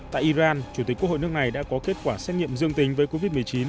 tại iran chủ tịch quốc hội nước này đã có kết quả xét nghiệm dương tính với covid một mươi chín